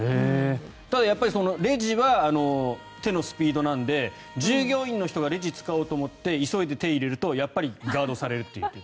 ただ、やっぱりレジは手のスピードなので従業員の人がレジを使おうと思って急いで手を入れるとやっぱりガードされるって。